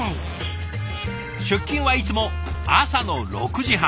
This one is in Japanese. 出勤はいつも朝の６時半。